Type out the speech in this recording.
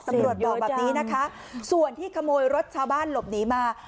บอกแบบนี้นะคะส่วนที่ขโมยรถชาวบ้านหลบหนีมา